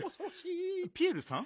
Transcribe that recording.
ピエールさん。